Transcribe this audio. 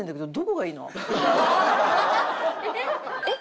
えっ？